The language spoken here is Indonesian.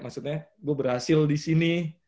maksudnya gue berhasil disini